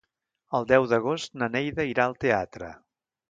El deu d'agost na Neida irà al teatre.